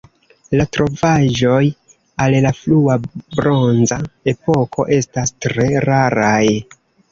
La trovaĵoj el la frua bronza epoko estas tre raraj.